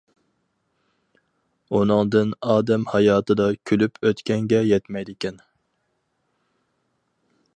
ئۇنىڭدىن ئادەم ھاياتىدا كۈلۈپ ئۆتكەنگە يەتمەيدىكەن.